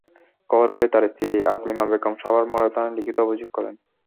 খবর পেয়ে তাঁর স্ত্রী আকলিমা বেগম সাভার মডেল থানায় লিখিত অভিযোগ করেন।